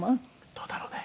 どうだろうね？